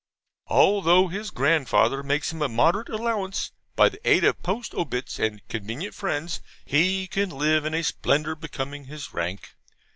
Although his grandfather makes him a moderate allowance, by the aid of POST OBITS and convenient friends he can live in a splendour becoming his rank.